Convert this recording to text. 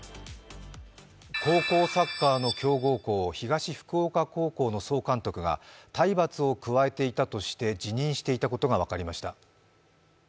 高校サッカーの強豪校東福岡高校の総監督が体罰を加えていたとして辞任していたことが分かりました。